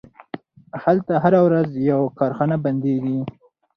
هلته هره ورځ یوه کارخونه بندیږي